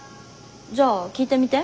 じゃあ聞いてみて。